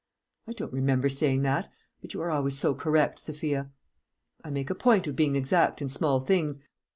"I don't remember saying that; but you are always so correct, Sophia." "I make a point of being exact in small things.